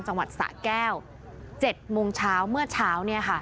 จังหวัดสะแก้วเจ็ดโมงเช้าเมื่อเช้าเนี่ยค่ะ